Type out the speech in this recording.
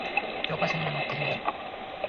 教科書には載っていない